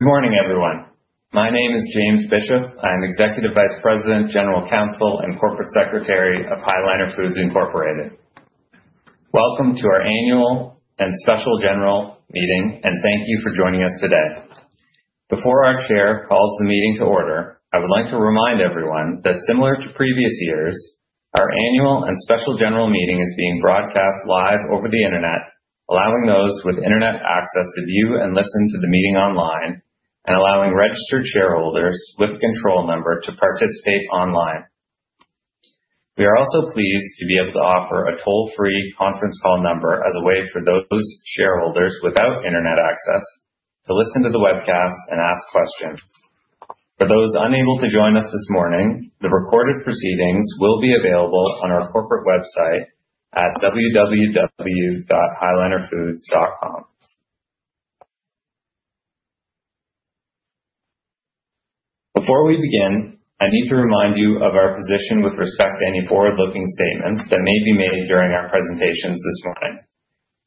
Good morning, everyone. My name is James Bishop. I am Executive Vice President, General Counsel, and Corporate Secretary of High Liner Foods Incorporated. Welcome to our Annual and Special General Meeting, and thank you for joining us today. Before our Chair calls the meeting to order, I would like to remind everyone that similar to previous years, our Annual and Special General Meeting is being broadcast live over the Internet, allowing those with Internet access to view and listen to the meeting online, and allowing registered shareholders with control number to participate online. We are also pleased to be able to offer a toll-free conference call number as a way for those shareholders without Internet access to listen to the webcast and ask questions. For those unable to join us this morning, the recorded proceedings will be available on our corporate website at www.highlinerfoods.com. Before we begin, I need to remind you of our position with respect to any forward-looking statements that may be made during our presentations this morning.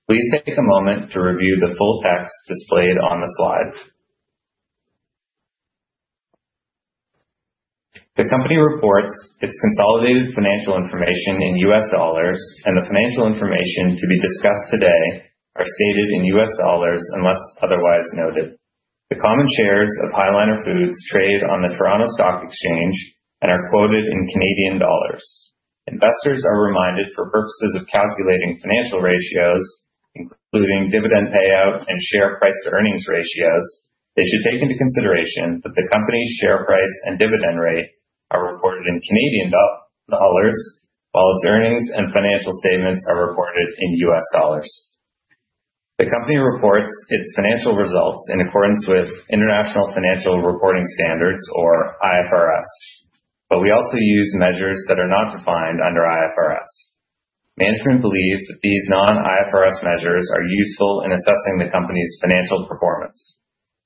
Please take a moment to review the full text displayed on the slide. The company reports its consolidated financial information in U.S. dollars and the financial information to be discussed today are stated in U.S. dollars unless otherwise noted. The common shares of High Liner Foods trade on the Toronto Stock Exchange and are quoted in Canadian dollars. Investors are reminded for purposes of calculating financial ratios, including dividend payout and share price to earnings ratios, they should take into consideration that the company's share price and dividend rate are reported in Canadian dollars, while its earnings and financial statements are reported in U.S. dollars. The company reports its financial results in accordance with International Financial Reporting Standards or IFRS, but we also use measures that are not defined under IFRS. Management believes that these non-IFRS measures are useful in assessing the company's financial performance.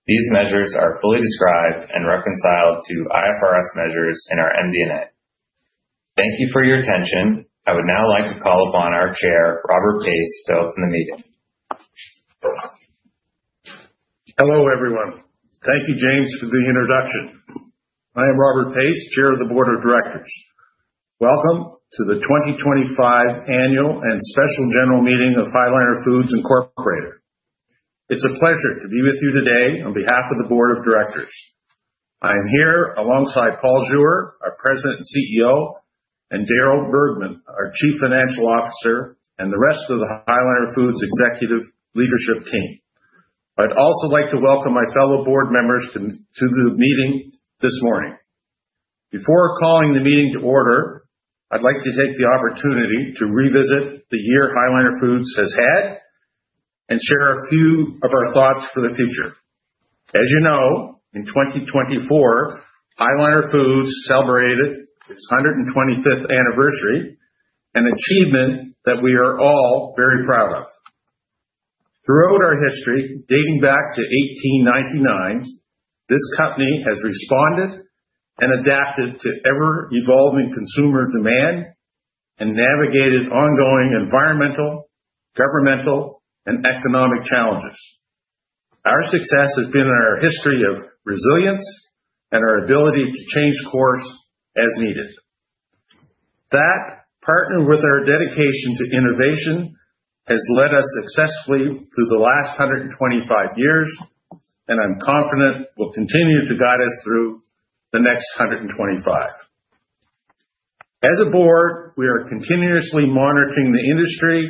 These measures are fully described and reconciled to IFRS measures in our MD&A. Thank you for your attention. I would now like to call upon our Chair, Robert Pace, to open the meeting. Hello, everyone. Thank you, James, for the introduction. I am Robert Pace, Chair of the Board of Directors. Welcome to the 2025 Annual and Special General Meeting of High Liner Foods Incorporated. It's a pleasure to be with you today on behalf of the Board of Directors. I am here alongside Paul Jewer, our President and CEO, and Darryl Bergman, our Chief Financial Officer, and the rest of the High Liner Foods Executive Leadership team. I'd also like to welcome my fellow Board members to the meeting this morning. Before calling the meeting to order, I'd like to take the opportunity to revisit the year High Liner Foods has had and share a few of our thoughts for the future. As you know, in 2024, High Liner Foods celebrated its 125th anniversary, an achievement that we are all very proud of. Throughout our history, dating back to 1899, this company has responded and adapted to ever-evolving consumer demand and navigated ongoing environmental, governmental, and economic challenges. Our success has been in our history of resilience and our ability to change course as needed. That, partnered with our dedication to innovation, has led us successfully through the last 125 years, and I'm confident will continue to guide us through the next 125. As a Board, we are continuously monitoring the industry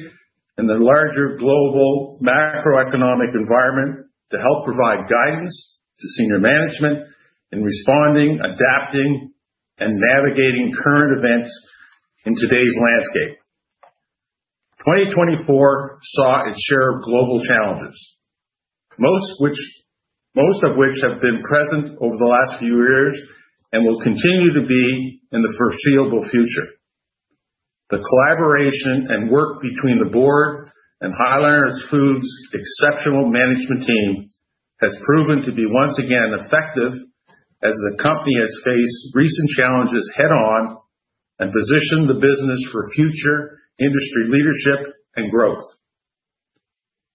and the larger global macroeconomic environment to help provide guidance to senior management in responding, adapting, and navigating current events in today's landscape. 2024 saw its share of global challenges, most of which have been present over the last few years and will continue to be in the foreseeable future. The collaboration and work between the Board and High Liner Foods' exceptional management team has proven to be once again effective as the company has faced recent challenges head on and positioned the business for future industry leadership and growth.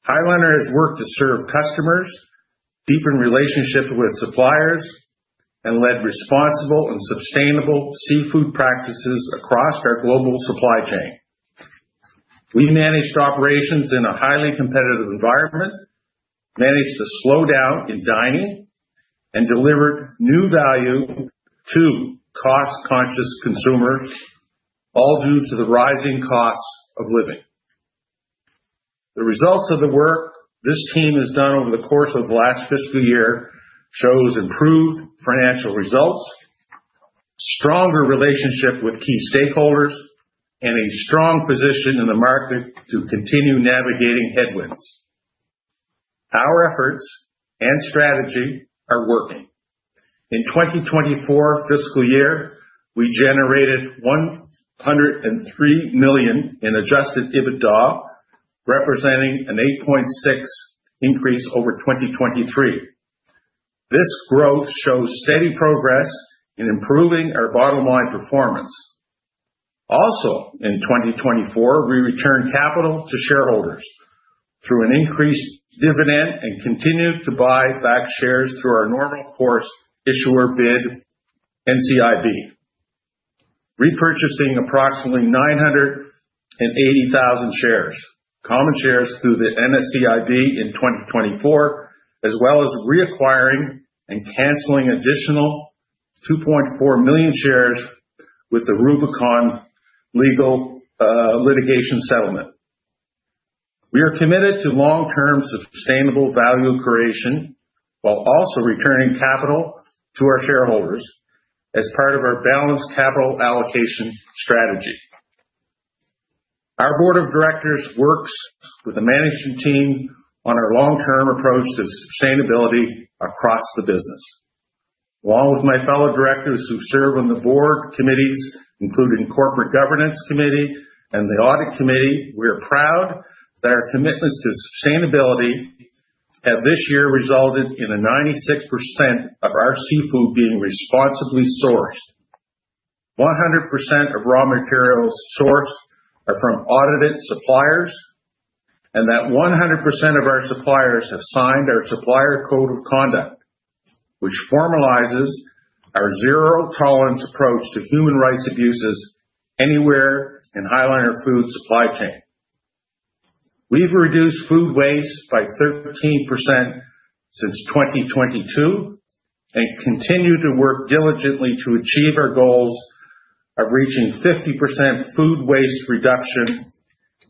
High Liner Foods has worked to serve customers, deepen relationship with suppliers, and led responsible and sustainable seafood practices across our global supply chain. We managed operations in a highly competitive environment, managed the slowdown in dining, and delivered new value to cost-conscious consumers, all due to the rising costs of living. The results of the work this team has done over the course of last fiscal year shows improved financial results, stronger relationship with key stakeholders, and a strong position in the market to continue navigating headwinds. Our efforts and strategy are working. In 2024 fiscal year, we generated $103 million in adjusted EBITDA, representing an 8.6% increase over 2023. This growth shows steady progress in improving our bottom line performance. Also, in 2024, we returned capital to shareholders through an increased dividend and continued to buy back shares through our normal course issuer bid NCIB, repurchasing approximately 980,000 shares, common shares through the NCIB in 2024, as well as reacquiring and canceling additional 2.4 million shares with the Rubicon legal litigation settlement. We are committed to long-term sustainable value creation while also returning capital to our shareholders as part of our balanced capital allocation strategy. Our Board of Directors works with the management team on our long-term approach to sustainability across the business. Along with my fellow Directors who serve on the Board Committees, including Corporate Governance Committee and the Audit Committee, we are proud that our commitments to sustainability have this year resulted in 96% of our seafood being responsibly sourced. 100% of raw materials sourced are from audited suppliers, and 100% of our suppliers have signed our Supplier Code of Conduct, which formalizes our zero-tolerance approach to human rights abuses anywhere in High Liner Foods supply chain. We have reduced food waste by 13% since 2022 and continue to work diligently to achieve our goals of reaching 50% food waste reduction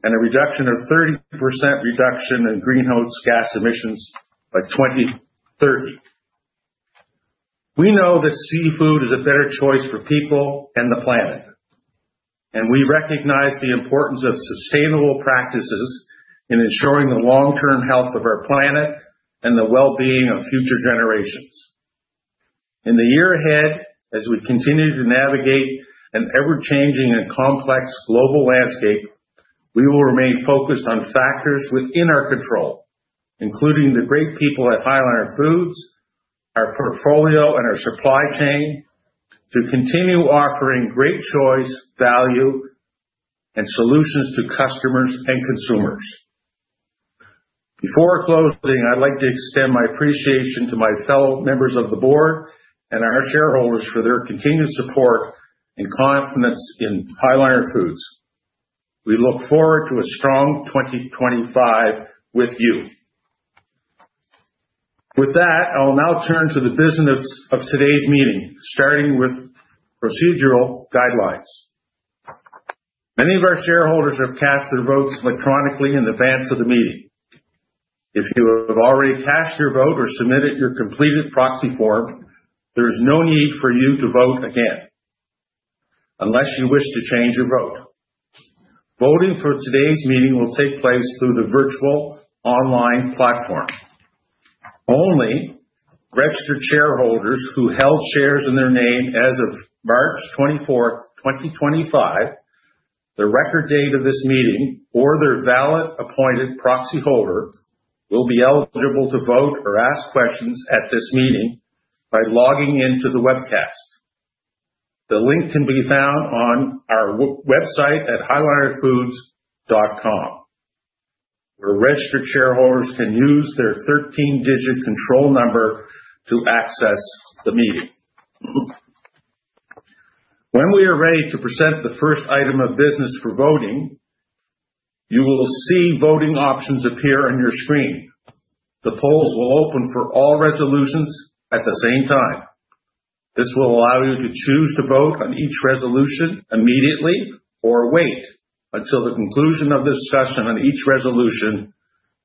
and a 30% reduction in greenhouse gas emissions by 2030. We know that seafood is a better choice for people and the planet, and we recognize the importance of sustainable practices in ensuring the long-term health of our planet and the well-being of future generations. In the year ahead, as we continue to navigate an ever-changing and complex global landscape, we will remain focused on factors within our control, including the great people at High Liner Foods, our portfolio and our supply chain to continue offering great choice, value, and solutions to customers and consumers. Before closing, I'd like to extend my appreciation to my fellow members of the Board and our shareholders for their continued support and confidence in High Liner Foods. We look forward to a strong 2025 with you. With that, I will now turn to the business of today's meeting, starting with procedural guidelines. Many of our shareholders have cast their votes electronically in advance of the meeting. If you have already cast your vote or submitted your completed proxy form, there is no need for you to vote again unless you wish to change your vote. Voting for today's meeting will take place through the virtual online platform. Only registered shareholders who held shares in their name as of March 24, 2025, the record date of this meeting, or their valid appointed proxy holder, will be eligible to vote or ask questions at this meeting by logging in to the webcast. The link can be found on our website at highlinerfoods.com, where registered shareholders can use their 13-digit control number to access the meeting. When we are ready to present the first item of business for voting, you will see voting options appear on your screen. The polls will open for all resolutions at the same time. This will allow you to choose to vote on each resolution immediately or wait until the conclusion of the discussion on each resolution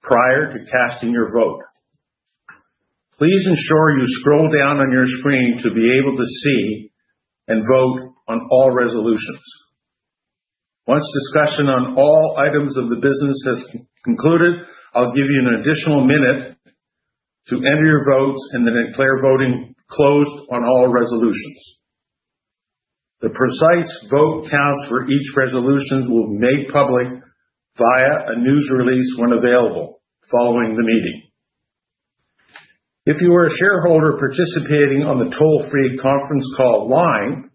prior to casting your vote. Please ensure you scroll down on your screen to be able to see and vote on all resolutions. Once discussion on all items of the business has concluded, I'll give you an additional minute to enter your votes and then declare voting closed on all resolutions. The precise vote counts for each resolution will be made public via a news release when available following the meeting. If you are a shareholder participating on the toll-free conference call line,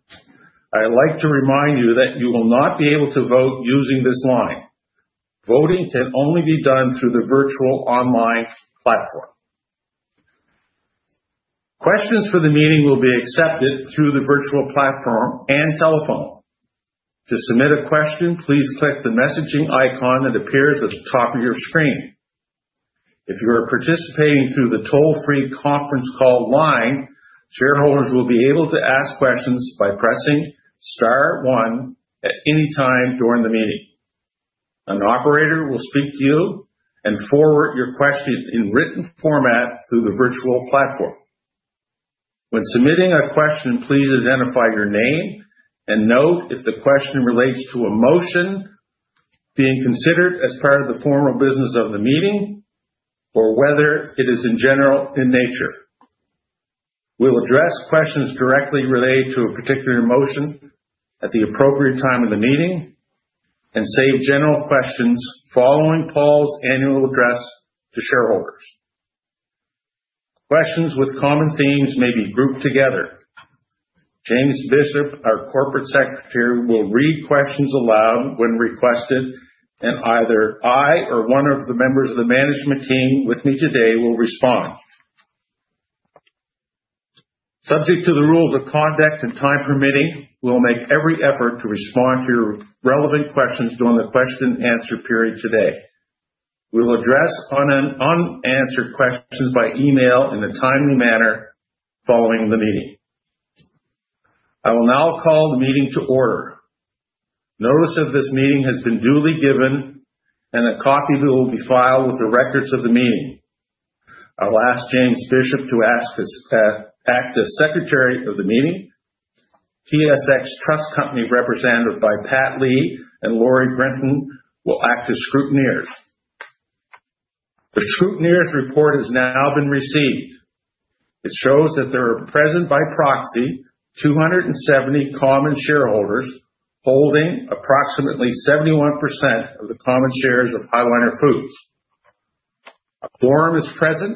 I like to remind you that you will not be able to vote using this line. Voting can only be done through the virtual online platform. Questions for the meeting will be accepted through the virtual platform and telephone. To submit a question, please click the messaging icon that appears at the top of your screen. If you are participating through the toll-free conference call line, shareholders will be able to ask questions by pressing star one at any time during the meeting. An operator will speak to you and forward your question in written format through the virtual platform. When submitting a question, please identify your name and note if the question relates to a motion being considered as part of the formal business of the meeting, or whether it is in general in nature. We'll address questions directly related to a particular motion at the appropriate time in the meeting and save general questions following Paul's annual address to shareholders. Questions with common themes may be grouped together. James Bishop, our Corporate Secretary, will read questions aloud when requested, and either I or one of the members of the management team with me today will respond. Subject to the rules of conduct and time permitting, we will make every effort to respond to your relevant questions during the question and answer period today. We will address unanswered questions by email in a timely manner following the meeting. I will now call the meeting to order. Notice of this meeting has been duly given, and a copy will be filed with the records of the meeting. I'll ask James Bishop to act as Secretary of the meeting. TSX Trust Company, represented by Pat Lee and Lori Brenton, will act as scrutineers. The scrutineers report has now been received. It shows that there are present by proxy 270 common shareholders holding approximately 71% of the common shares of High Liner Foods. A quorum is present,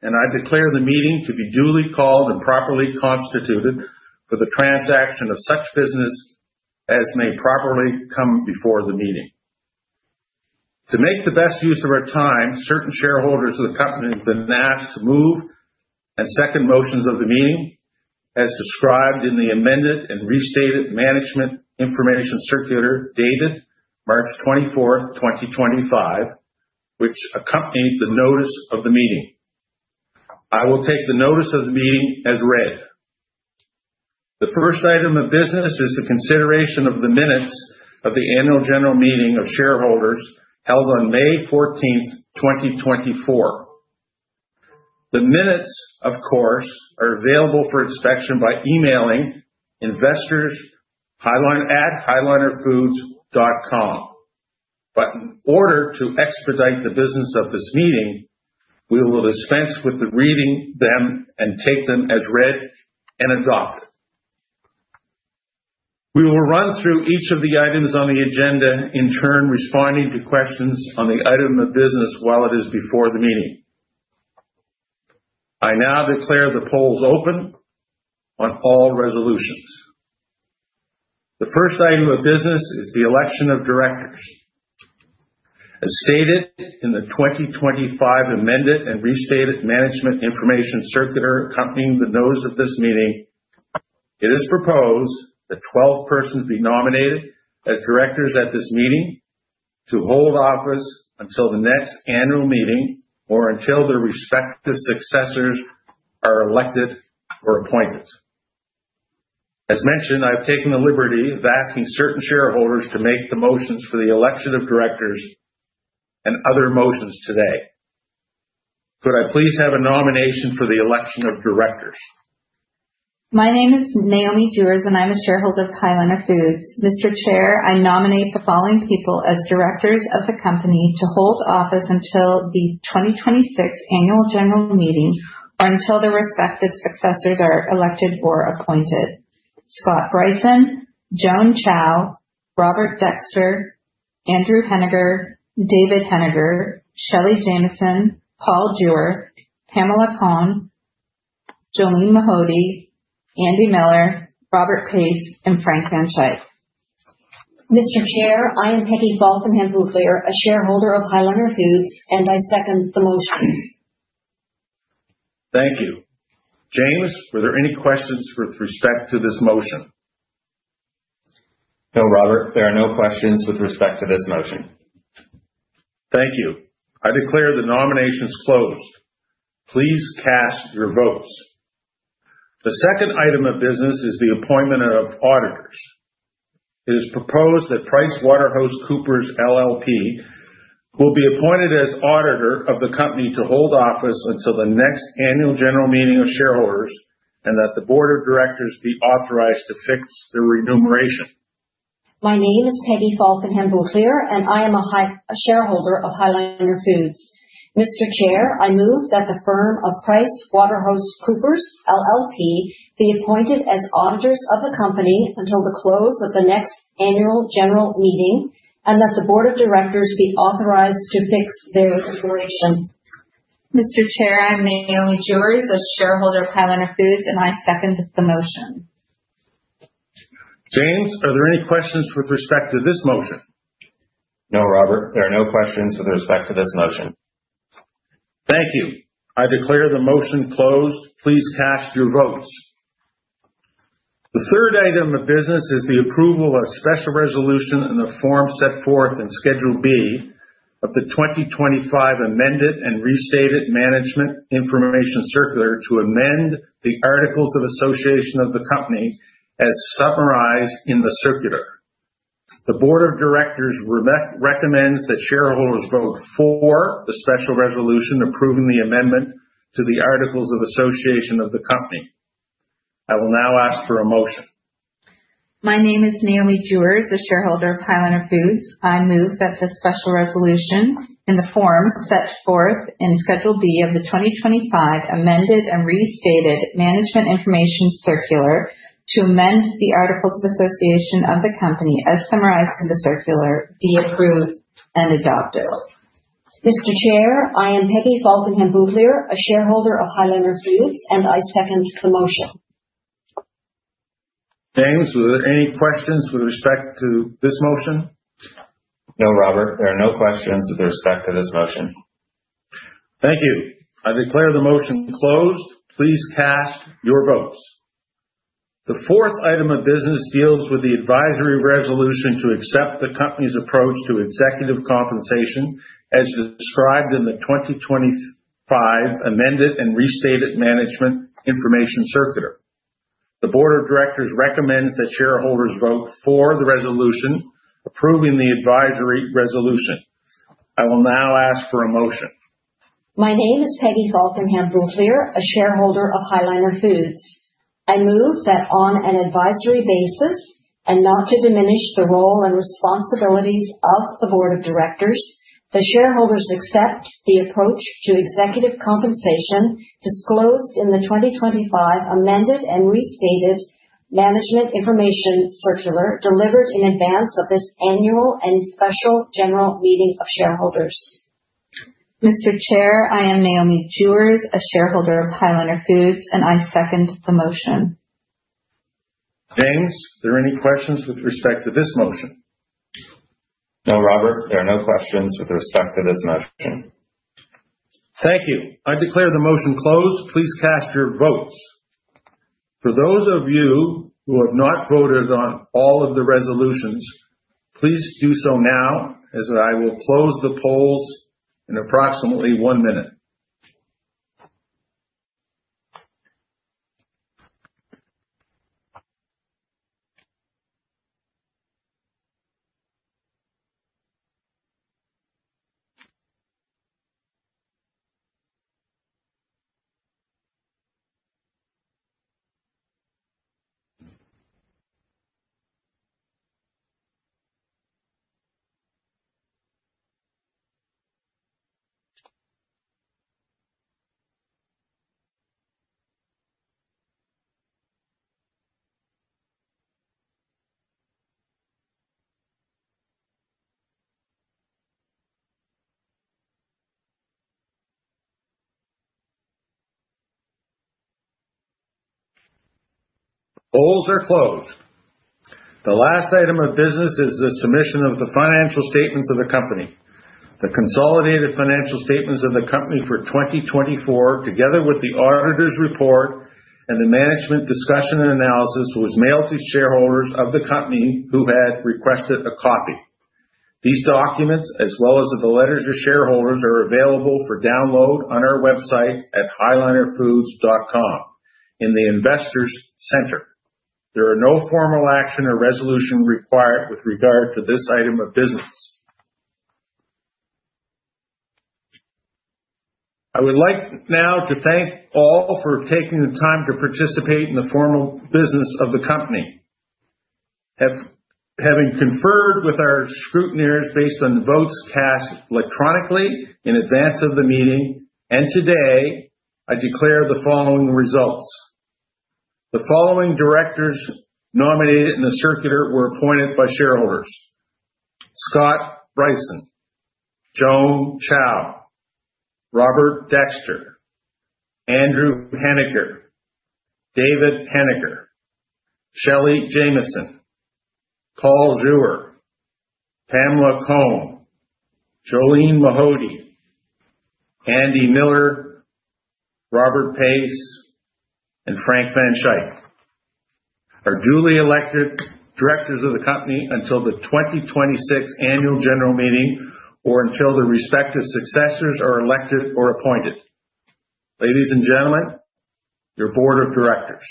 and I declare the meeting to be duly called and properly constituted for the transaction of such business as may properly come before the meeting. To make the best use of our time, certain shareholders of the company have been asked to move and second motions of the meeting as described in the amended and restated management information circular dated March 24, 2025, which accompanied the notice of the meeting. I will take the notice of the meeting as read. The first item of business is the consideration of the minutes of the Annual General Meeting of shareholders held on May 14, 2024. The minutes, of course, are available for inspection by emailing investors@highlinerfoods.com. In order to expedite the business of this meeting, we will dispense with the reading them and take them as read and adopted. We will run through each of the items on the agenda, in turn responding to questions on the item of business while it is before the meeting. I now declare the polls open on all resolutions. The first item of business is the election of Directors. As stated in the 2025 amended and restated management information circular accompanying the notice of this meeting, it is proposed that 12 persons be nominated as Directors at this meeting to hold office until the next annual meeting or until their respective successors are elected or appointed. As mentioned, I've taken the liberty of asking certain shareholders to make the motions for the election of Directors and other motions today. Could I please have a nomination for the election of Directors? My name is Naomi Jewers, and I'm a shareholder of High Liner Foods. Mr. Chair, I nominate the following people as Directors of the company to hold office until the 2026 Annual General Meeting or until their respective successors are elected or appointed. Scott Brison, Joan Chow, Robert Dexter, Andrew Hennigar, David Hennigar, Shelly Jamieson, Paul Jewer, Pamela Kohn, Jolene Mahody, Andy Miller, Robert Pace, and Frank van Schaayk. Mr. Chair, I am [Peggy Falconham-Bouvier], a shareholder of High Liner Foods, and I second the motion. Thank you. James, are there any questions with respect to this motion? No, Robert, there are no questions with respect to this motion. Thank you. I declare the nominations closed. Please cast your votes. The second item of business is the appointment of auditors. It is proposed that PricewaterhouseCoopers LLP will be appointed as auditor of the company to hold office until the next Annual General Meeting of shareholders and that the Board of Directors be authorized to fix their remuneration. My name is Peggy Falconham-Bouvier], and I am a High Liner shareholder of High Liner Foods. Mr. Chair, I move that the firm of PricewaterhouseCoopers LLP be appointed as auditors of the company until the close of the next Annual General Meeting, and that the Board of Directors be authorized to fix their remuneration. Mr. Chair, I'm Naomi Jewers, a shareholder of High Liner Foods, and I second the motion. James, are there any questions with respect to this motion? No, Robert, there are no questions with respect to this motion. Thank you. I declare the motion closed. Please cast your votes. The third item of business is the approval of special resolution in the form set forth in Schedule B of the 2025 amended and restated management information circular to amend the Articles of Association of the company as summarized in the circular. The Board of Directors recommends that shareholders vote for the special resolution approving the amendment to the Articles of Association of the company. I will now ask for a motion. My name is Naomi Jewers, a shareholder of High Liner Foods. I move that the special resolution in the form set forth in Schedule B of the 2025 amended and restated management information circular to amend the articles of association of the company, as summarized in the circular, be approved and adopt it. Mr. Chair, I am [Peggy Falconham-Bouvier], a shareholder of High Liner Foods, and I second the motion. James, were there any questions with respect to this motion? No, Robert, there are no questions with respect to this motion. Thank you. I declare the motion closed. Please cast your votes. The fourth item of business deals with the advisory resolution to accept the company's approach to executive compensation as described in the 2025 amended and restated management information circular. The Board of Directors recommends that shareholders vote for the resolution approving the advisory resolution. I will now ask for a motion. My name is [Peggy Falconham-Bouvier], a shareholder of High Liner Foods. I move that on an advisory basis, and not to diminish the role and responsibilities of the Board of Directors, the shareholders accept the approach to executive compensation disclosed in the 2025 amended and restated management information circular delivered in advance of this Annual and Special General Meeting of shareholders. Mr. Chair, I am Naomi Jewers, a shareholder of High Liner Foods, and I second the motion. James, are there any questions with respect to this motion? No, Robert, there are no questions with respect to this motion. Thank you. I declare the motion closed. Please cast your votes. For those of you who have not voted on all of the resolutions, please do so now, as I will close the polls in approximately one minute. Polls are closed. The last item of business is the submission of the financial statements of the company. The consolidated financial statements of the company for 2024, together with the auditor's report and the management discussion and analysis, was mailed to shareholders of the company who had requested a copy. These documents, as well as the letters to shareholders, are available for download on our website at highlinerfoods.com in the investor's center. There are no formal action or resolution required with regard to this item of business. I would like now to thank all for taking the time to participate in the formal business of the company. Having conferred with our scrutineers based on votes cast electronically in advance of the meeting, today I declare the following results. The following Directors nominated in the circular were appointed by shareholders. Scott Brison, Joan Chow, Robert Dexter, Andy Hennigar, David Hennigar, Shelly Jamieson, Paul Jewer, Pamela Kohn, Jolene Mahody, Andy Miller, Robert Pace, and Frank van Schaayk are duly elected Directors of the company until the 2026 Annual General Meeting or until the respective successors are elected or appointed. Ladies and gentlemen, your Board of Directors.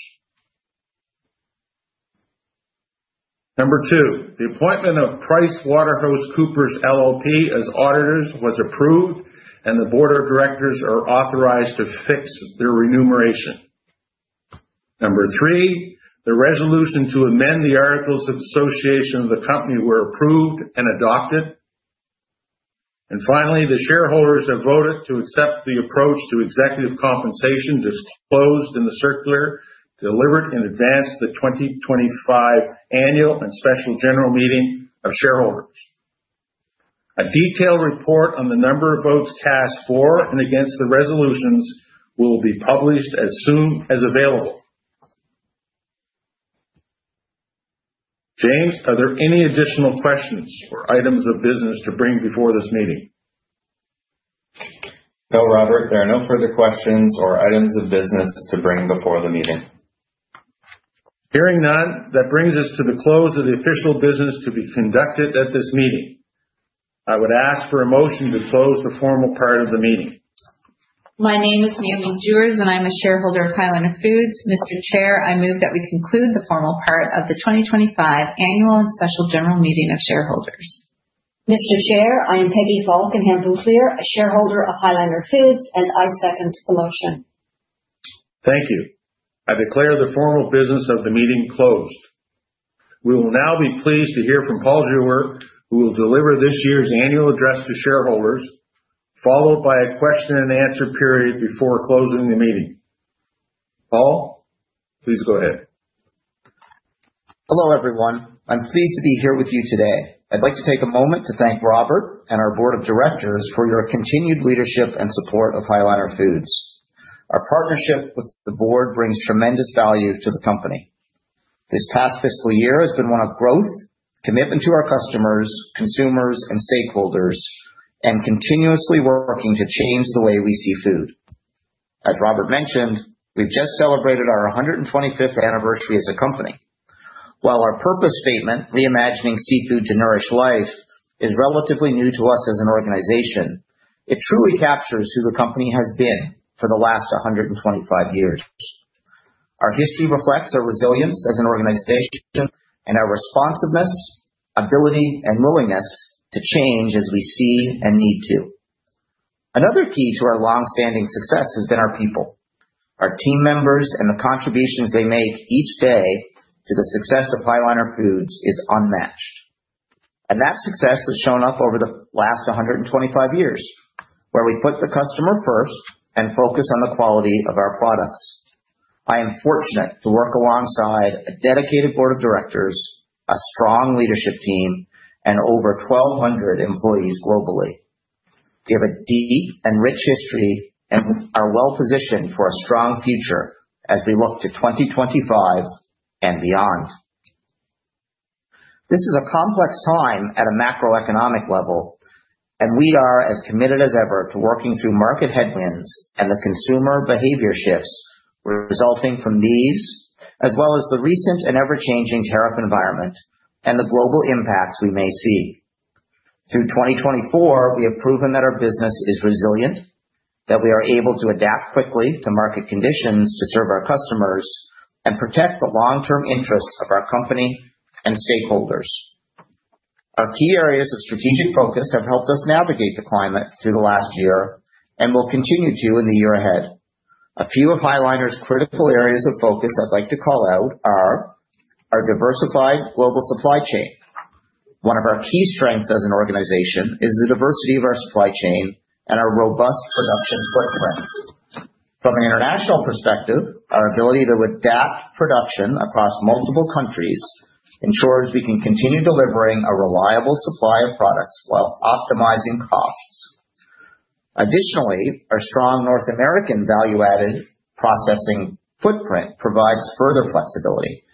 Number two, the appointment of PricewaterhouseCoopers LLP as auditors was approved, and the Board of Directors are authorized to fix their remuneration. Number three, the resolution to amend the Articles of Association of the company were approved and adopted. Finally, the shareholders have voted to accept the approach to executive compensation disclosed in the circular delivered in advance to the 2025 Annual and Special General Meeting of shareholders. A detailed report on the number of votes cast for and against the resolutions will be published as soon as available. James, are there any additional questions or items of business to bring before this meeting? No, Robert, there are no further questions or items of business to bring before the meeting. Hearing none, that brings us to the close of the official business to be conducted at this meeting. I would ask for a motion to close the formal part of the meeting. My name is Naomi Jewers, and I'm a shareholder of High Liner Foods. Mr. Chair, I move that we conclude the formal part of the 2025 Annual and Special General Meeting of shareholders. Mr. Chair, I am Peggy Falconham-Bouvier, a shareholder of High Liner Foods, and I second the motion. Thank you. I declare the formal business of the meeting closed. We will now be pleased to hear from Paul Jewer, who will deliver this year's annual address to shareholders, followed by a question and answer period before closing the meeting. Paul, please go ahead. Hello, everyone. I'm pleased to be here with you today. I'd like to take a moment to thank Robert and our Board of Directors for your continued leadership and support of High Liner Foods. Our partnership with the Board brings tremendous value to the company. This past fiscal year has been one of growth, commitment to our customers, consumers and stakeholders, and continuously working to change the way we see food. As Robert mentioned, we've just celebrated our 125th anniversary as a company. While our purpose statement, Reimagining Seafood to Nourish Life, is relatively new to us as an organization, it truly captures who the company has been for the last 125 years. Our history reflects our resilience as an organization and our responsiveness, ability, and willingness to change as we see a need to. Another key to our long-standing success has been our people, our team members, and the contributions they make each day to the success of High Liner Foods is unmatched. That success has shown up over the last 125 years, where we put the customer first and focus on the quality of our products. I am fortunate to work alongside a dedicated Board of Directors, a strong leadership team, and over 1,200 employees globally. We have a deep and rich history and are well-positioned for a strong future as we look to 2025 and beyond. This is a complex time at a macroeconomic level, and we are as committed as ever to working through market headwinds and the consumer behavior shifts resulting from these, as well as the recent and ever-changing tariff environment and the global impacts we may see. Through 2024, we have proven that our business is resilient, that we are able to adapt quickly to market conditions to serve our customers, and protect the long-term interests of our company and stakeholders. Our key areas of strategic focus have helped us navigate the climate through the last year and will continue to in the year ahead. A few of High Liner's critical areas of focus I'd like to call out are our diversified global supply chain. One of our key strengths as an organization is the diversity of our supply chain and our robust production footprint. From an international perspective, our ability to adapt production across multiple countries ensures we can continue delivering a reliable supply of products while optimizing costs. Additionally, our strong North American value-added processing footprint provides further flexibility,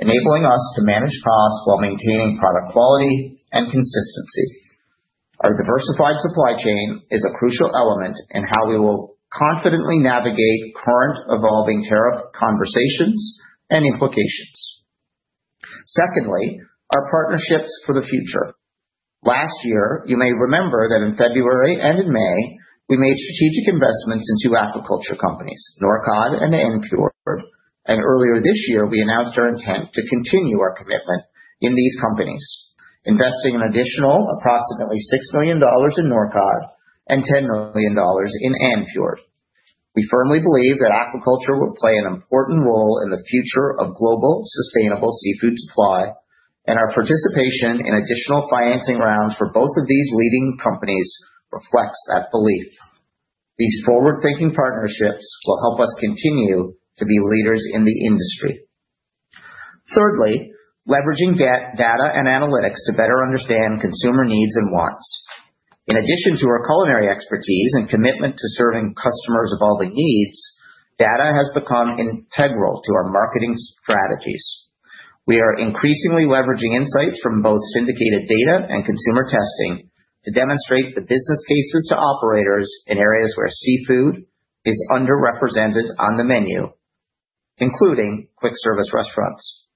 enabling us to manage costs while maintaining product quality and consistency. Our diversified supply chain is a crucial element in how we will confidently navigate current evolving tariff conversations and implications. Secondly, our partnerships for the future. Last year, you may remember that in February and in May, we made strategic investments in two aquaculture companies, Norcod and Andfjord. Earlier this year, we announced our intent to continue our commitment in these companies, investing an additional approximately $6 million in Norcod and $10 million in Andfjord. We firmly believe that aquaculture will play an important role in the future of global sustainable seafood supply, and our participation in additional financing rounds for both of these leading companies reflects that belief. These forward-thinking partnerships will help us continue to be leaders in the industry. Thirdly, leveraging data and analytics to better understand consumer needs and wants. In addition to our culinary expertise and commitment to serving customers' evolving needs, data has become integral to our marketing strategies. We are increasingly leveraging insights from both syndicated data and consumer testing to demonstrate the business cases to operators in areas where seafood is underrepresented on the menu, including quick service restaurants.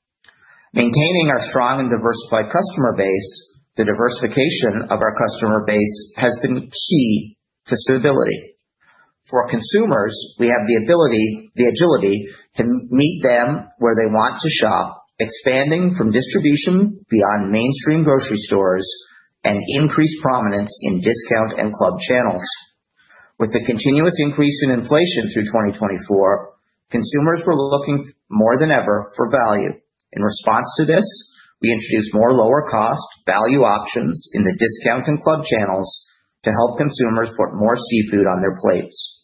Maintaining our strong and diversified customer base. The diversification of our customer base has been key to stability. For consumers, we have the agility to meet them where they want to shop, expanding from distribution beyond mainstream grocery stores and increase prominence in discount and club channels. With the continuous increase in inflation through 2024, consumers were looking more than ever for value. In response to this, we introduced more lower cost value options in the discount and club channels to help consumers put more seafood on their plates.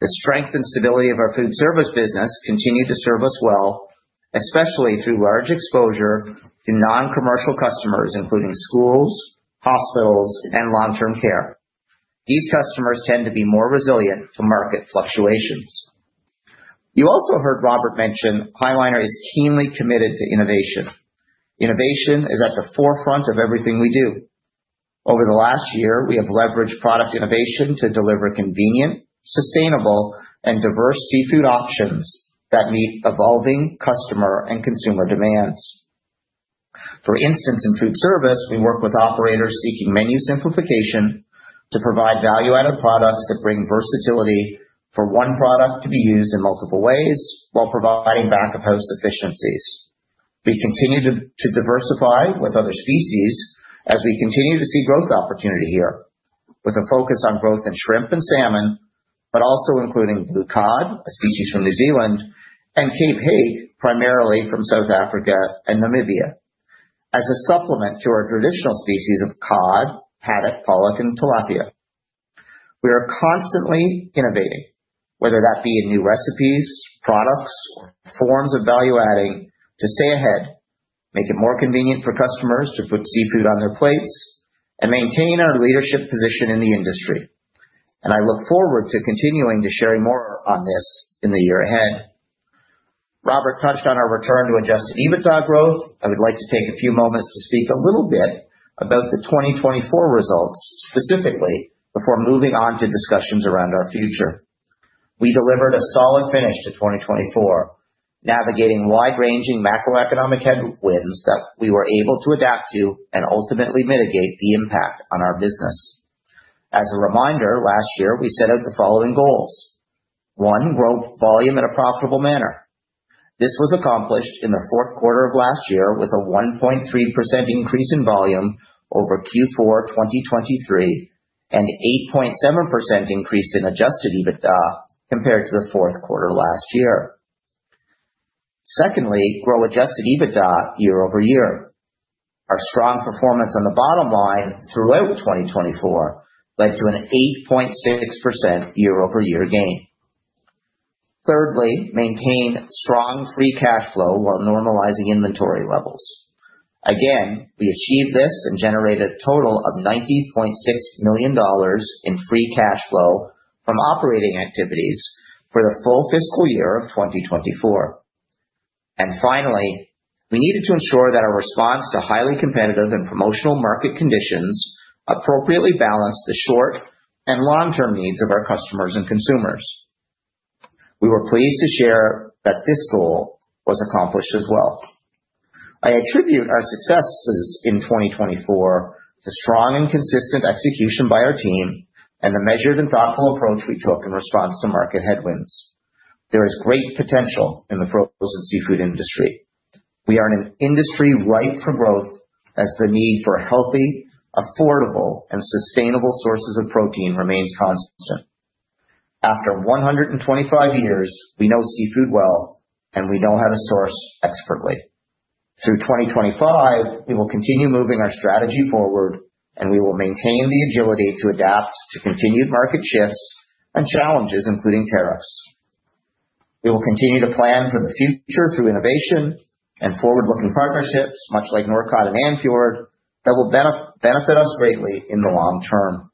The strength and stability of our food service business continued to serve us well, especially through large exposure to non-commercial customers, including schools, hospitals, and long-term care. These customers tend to be more resilient to market fluctuations. You also heard Robert mention High Liner is keenly committed to innovation. Innovation is at the forefront of everything we do. Over the last year, we have leveraged product innovation to deliver convenient, sustainable, and diverse seafood options that meet evolving customer and consumer demands. For instance, in food service, we work with operators seeking menu simplification to provide value-added products that bring versatility for one product to be used in multiple ways while providing back-of-house efficiencies. We continue to diversify with other species as we continue to see growth opportunity here, with a focus on growth in shrimp and salmon, but also including Blue cod, a species from New Zealand, and Cape hake, primarily from South Africa and Namibia. As a supplement to our traditional species of cod, haddock, pollock, and tilapia. We are constantly innovating, whether that be in new recipes, products, or forms of value-adding to stay ahead, make it more convenient for customers to put seafood on their plates, and maintain our leadership position in the industry. I look forward to continuing to share more on this in the year ahead. Robert touched on our return to adjusted EBITDA growth. I would like to take a few moments to speak a little bit about the 2024 results specifically, before moving on to discussions around our future. We delivered a solid finish to 2024, navigating wide-ranging macroeconomic headwinds that we were able to adapt to and ultimately mitigate the impact on our business. As a reminder, last year we set out the following goals. One, grow volume in a profitable manner. This was accomplished in the fourth quarter of last year with a 1.3% increase in volume over Q4 2023, and 8.7% increase in adjusted EBITDA compared to the fourth quarter last year. Secondly, grow adjusted EBITDA year-over-year. Our strong performance on the bottom line throughout 2024 led to an 8.6% year-over-year gain. Thirdly, maintain strong free cash flow while normalizing inventory levels. Again, we achieved this and generated a total of $90.6 million in free cash flow from operating activities for the full fiscal year of 2024. Finally, we needed to ensure that our response to highly competitive and promotional market conditions appropriately balanced the short and long-term needs of our customers and consumers. We were pleased to share that this goal was accomplished as well. I attribute our successes in 2024 to strong and consistent execution by our team and the measured and thoughtful approach we took in response to market headwinds. There is great potential in the frozen seafood industry. We are in an industry ripe for growth as the need for healthy, affordable, and sustainable sources of protein remains constant. After 125 years, we know seafood well, and we know how to source expertly. Through 2025, we will continue moving our strategy forward, and we will maintain the agility to adapt to continued market shifts and challenges, including tariffs. We will continue to plan for the future through innovation and forward-looking partnerships, much like Norcod and Andfjord Salmon, that will benefit us greatly in the long term.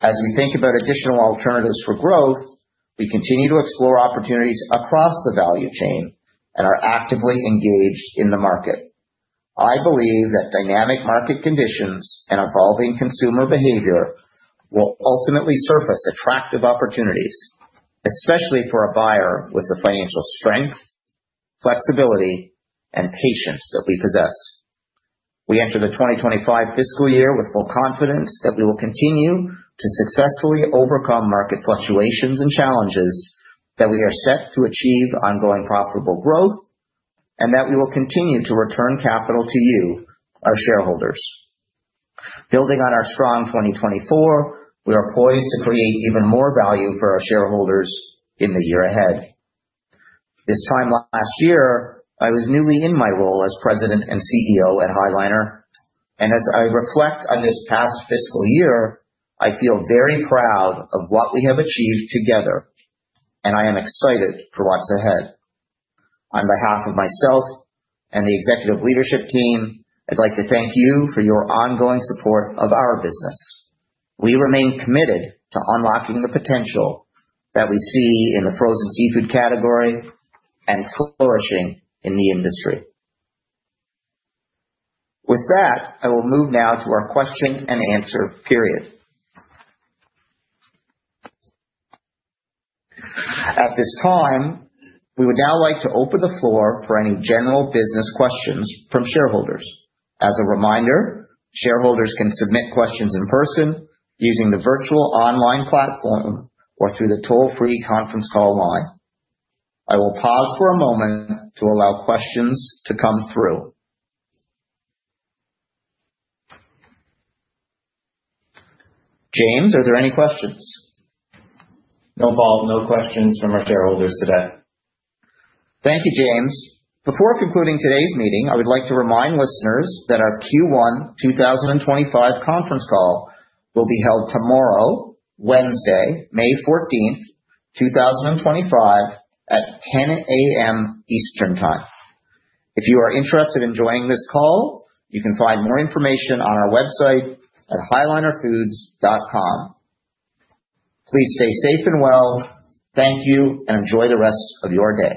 As we think about additional alternatives for growth, we continue to explore opportunities across the value chain and are actively engaged in the market. I believe that dynamic market conditions and evolving consumer behavior will ultimately surface attractive opportunities, especially for a buyer with the financial strength, flexibility, and patience that we possess. We enter the 2025 fiscal year with full confidence that we will continue to successfully overcome market fluctuations and challenges, that we are set to achieve ongoing profitable growth, and that we will continue to return capital to you, our shareholders. Building on our strong 2024, we are poised to create even more value for our shareholders in the year ahead. This time last year, I was newly in my role as President and CEO at High Liner Foods. As I reflect on this past fiscal year, I feel very proud of what we have achieved together, and I am excited for what's ahead. On behalf of myself and the executive leadership team, I'd like to thank you for your ongoing support of our business. We remain committed to unlocking the potential that we see in the frozen seafood category and flourishing in the industry. With that, I will move now to our question and answer period. At this time, we would now like to open the floor for any general business questions from shareholders. As a reminder, shareholders can submit questions in person, using the virtual online platform or through the toll-free conference call line. I will pause for a moment to allow questions to come through. James, are there any questions? No, Paul. No questions from our shareholders today. Thank you, James. Before concluding today's meeting, I would like to remind listeners that our Q1 2025 conference call will be held tomorrow, Wednesday, May 14, 2025 at 10 A.M. Eastern Time. If you are interested in joining this call, you can find more information on our website at highlinerfoods.com. Please stay safe and well. Thank you and enjoy the rest of your day.